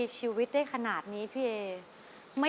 กลับมาฟังเพลง